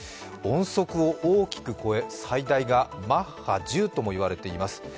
音速を大きく超え、最大がマッハ１０とも言われています。